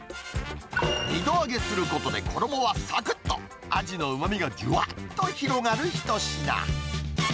２度揚げすることで衣はさくっと、アジのうまみがじゅわっと広がる一品。